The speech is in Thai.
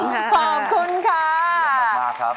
ขอบคุณค่ะ